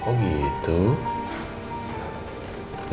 kamu tunggu mama aja deh rumah